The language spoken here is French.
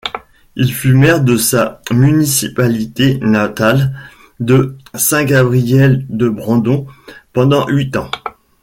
Il fut maire de sa municipalité natale de Saint-Gabriel-de-Brandon pendant huit ans.